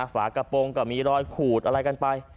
ฝากระโปรงก็มีรอยขูดอะไรกันไป